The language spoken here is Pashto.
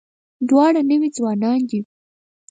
دواړه نوي ځوانان دي.